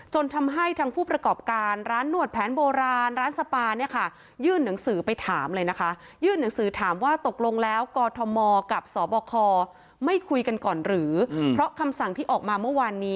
จนทำให้ทางผู้ประกอบการณ์ร้านหนวดแผนโบราณร้านสปา